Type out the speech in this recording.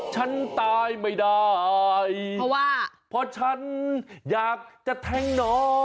ฉันตายไม่ได้เพราะฉันอยากจะแท้งหนอ